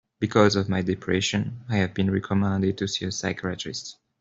Because of my depression, I have been recommended to see a psychiatrist.